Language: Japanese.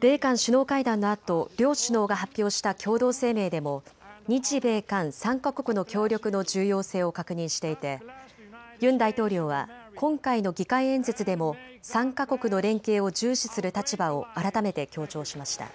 米韓首脳会談のあと両首脳が発表した共同声明でも日米韓３か国の協力の重要性を確認していてユン大統領は今回の議会演説でも３か国の連携を重視する立場を改めて強調しました。